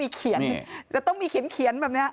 ตีแสกหน้าจะต้องมีเขียนแบบนี้